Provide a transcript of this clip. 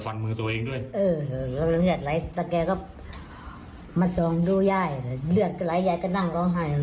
ไฟมือตัวเองด้วยเธออยากจะกลับมาส่องดูย่ายในส่องหนังร้องห้าย